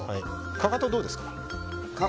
かかと、どうですか？